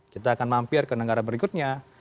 kita akan mampir ke negara berikutnya